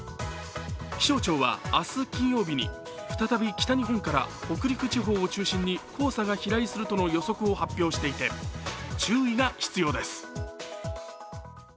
気象庁は明日金曜日に、再び北日本から北陸地方を中心に黄砂が飛来するとの予測を発表していて注意が必要です。